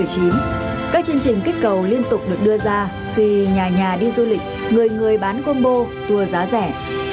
các chương trình kích cầu liên tục được đưa ra khi nhà nhà đi du lịch người người bán combo tour giá rẻ